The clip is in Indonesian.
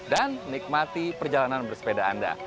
dan nikmati perjalanan bersepeda anda